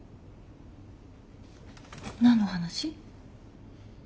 何の話？